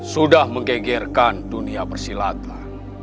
sudah menggegerkan dunia persilatan